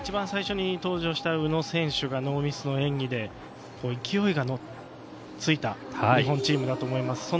最初に登場した宇野選手がノーミスの演技で、勢いがついた日本チームだと思います。